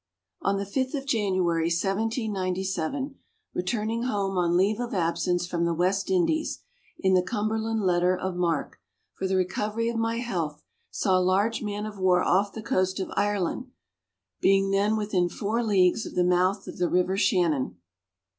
On the 5th of January, 1797, returning home on leave of absence from the West Indies, in the Cumberland letter of marque, for the recovery of my health, saw a large man of war off the coast of Ireland, being then within four leagues of the mouth of the river Shannon.